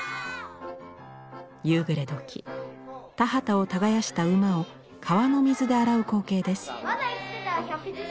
夕暮れ時田畑を耕した馬を川の水で洗う光景です。